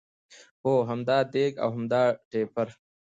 خو همدا دېګ او همدا ټېپر.